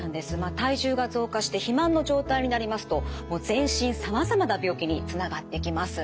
体重が増加して肥満の状態になりますと全身さまざまな病気につながってきます。